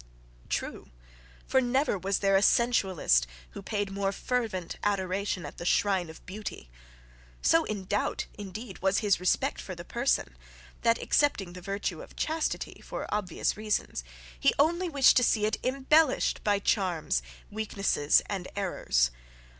True! For never was there a sensualist who paid more fervent adoration at the shrine of beauty. So devout, indeed, was his respect for the person, that excepting the virtue of chastity, for obvious reasons, he only wished to see it embellished by charms, weaknesses, and errors.